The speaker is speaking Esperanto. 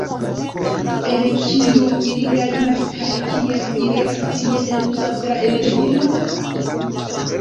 El kio ili gajnas kaj kiel ili racie eluzas la energion?